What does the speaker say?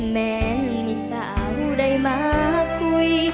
แม้มีสาวได้มาคุย